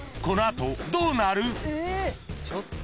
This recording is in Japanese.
この後どうなる？］